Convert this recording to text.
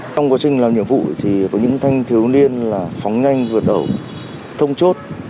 trong quá trình làm nhiệm vụ thì có những thanh thiếu niên là phóng nhanh vượt ẩu thông chốt